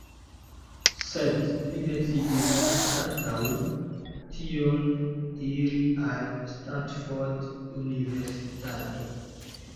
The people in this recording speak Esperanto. Sed li decidis anstataŭ tion iri al Stanford Universitato.